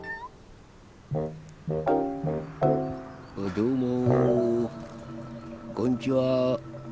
どうもこんちは。